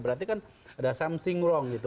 berarti kan ada somesing wrong gitu